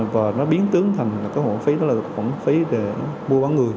và nó biến tướng thành cái khoản phí để mua bán người